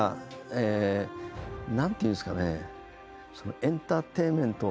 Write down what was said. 何ていうんですかね。